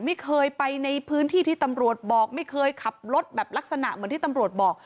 ไม่เคยไปในพื้นที่ที่ตำรวจบอกไม่เคยขับรถแบบลักษณะเหมือนที่ตำรวจบอก